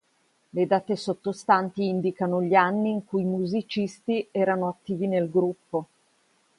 Le date sottostanti indicano gli anni in cui i musicisti erano attivi nel gruppo.